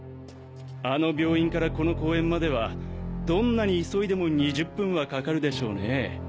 あの病院からこの公園まではどんなに急いでも２０分はかかるでしょうねぇ。